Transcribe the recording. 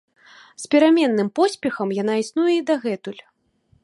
З пераменным поспехам яна існуе і дагэтуль.